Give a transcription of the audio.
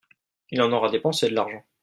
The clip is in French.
il en aura dépensé de l'argent.